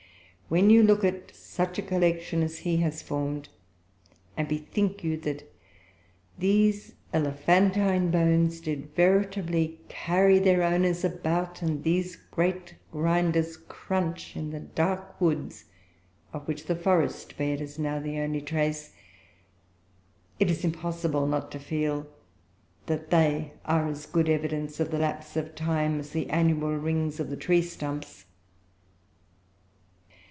When you look at such a collection as he has formed, and bethink you that these elephantine bones did veritably carry their owners about, and these great grinders crunch, in the dark woods of which the forest bed is now the only trace, it is impossible not to feel that they are as good evidence of the lapse of time as the annual rings of the tree stumps.